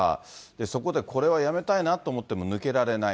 そこでこれはやめたいなと思っても抜けられない。